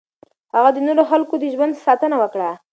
هغه د نورو خلکو د ژوند ساتنه وکړه.